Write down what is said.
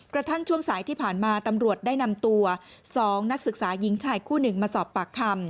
กระทั่งช่วงสายที่ผ่านมาตำรวจได้นำตัว๒นักศึกษายิงชายคู่๑มาสอบปากคำ